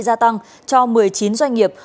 gia tăng cho một mươi chín doanh nghiệp